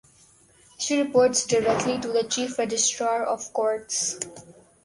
She reports directly to the "Chief Registrar of Courts".